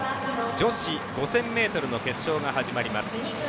女子５０００ｍの決勝が始まります。